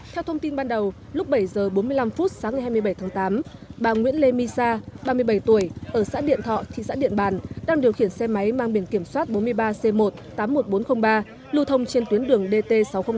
theo thông tin ban đầu lúc bảy h bốn mươi năm phút sáng ngày hai mươi bảy tháng tám bà nguyễn lê my sa ba mươi bảy tuổi ở xã điện thọ thị xã điện bàn đang điều khiển xe máy mang biển kiểm soát bốn mươi ba c một tám mươi một nghìn bốn trăm linh ba lưu thông trên tuyến đường dt sáu trăm linh năm